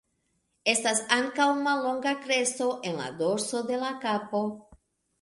Estas ankaŭ mallonga kresto en la dorso de la kapo.